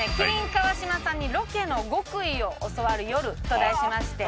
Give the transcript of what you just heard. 「麒麟川島さんにロケの極意を教わる夜」と題しまして。